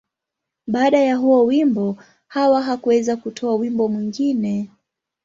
Baada ya huo wimbo, Hawa hakuweza kutoa wimbo mwingine.